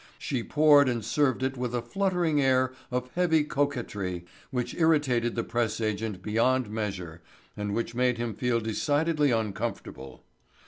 She poured and served it with a fluttering air of heavy coquetry which irritated the press agent beyond measure and which made him feel decidedly uncomfortable.